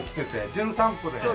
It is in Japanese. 『じゅん散歩』でね。